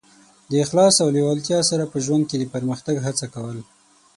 د اخلاص او لېوالتیا سره په ژوند کې د پرمختګ هڅه کول.